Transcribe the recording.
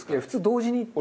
普通同時に。